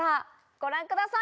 ご覧ください。